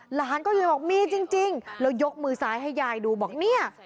หลานก็ยืนบอกมีจริงแล้วยกมือซ้ายให้ยายดูบอกเนี่ย